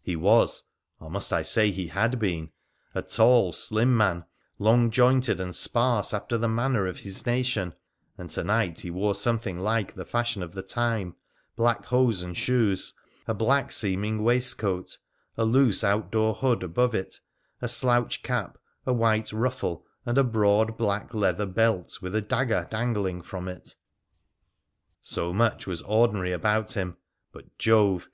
He was — or must I say, he had been ?— a tall, slim man, long jointed and sparse after the manner of his nation, and to night he wore something like the fashion of the time — black hose and shoes, a black seeming waistcoat, a loose outdoor hood above it, a slouch cap, a white ruffle, and a broad black leather belt with a dagger dangling from it. So much was ordinary about him, but — Jove